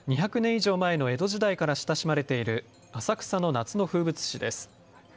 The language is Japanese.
以上前の江戸時代から親しまれている浅草の夏の風物詩です。